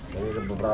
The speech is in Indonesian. jadi ada beberapa